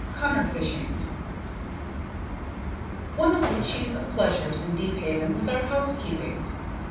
Cunner Fishing One of the chief pleasures in Deephaven was our housekeeping.